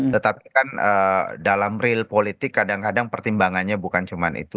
tetapi kan dalam real politik kadang kadang pertimbangannya bukan cuma itu